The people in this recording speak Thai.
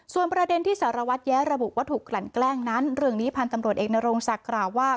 ส่วนประเด็นที่สารวัตรแย้ระบุว่าถูกกลั่นแกล้งนั้นเรื่องนี้พันธ์ตำรวจเอกนโรงศักดิ์กล่าวว่า